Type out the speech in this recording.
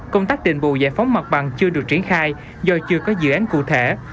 công tác đền bù giải phóng mặt bằng chưa được triển khai do chưa có dự án cụ thể